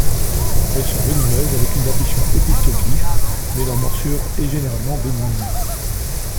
Elles sont venimeuses avec une dentition opisthoglyphe, mais leur morsure est généralement bénigne.